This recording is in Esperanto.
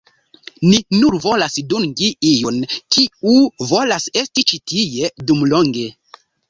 Ni nur volas dungi iun, kiu volas esti ĉi tie dum longe.